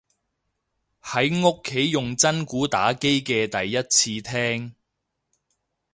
喺屋企用真鼓打機嘅第一次聽